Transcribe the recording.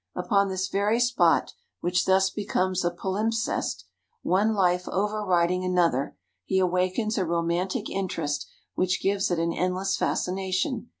Upon this very spot, which thus becomes a palimpsest, one life over writing another, he awakens a romantic interest which gives it an endless fascination.